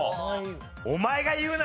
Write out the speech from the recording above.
お前が言うな。